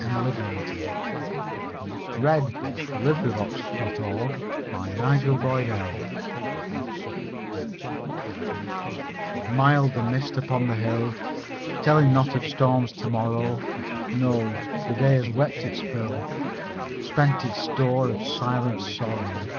Emily Brontë Mild the mist upon the hill MILD the mist upon the hill Telling not of storms tomorrow; No, the day has wept its fill, Spent its store of silent sorrow.